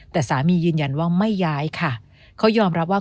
แต่สามียืนยันว่าไม่ย้ายค่ะเขายอมรับว่า